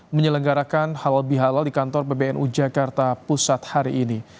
menyelenggarakan halal bihalal di kantor pbnu jakarta pusat hari ini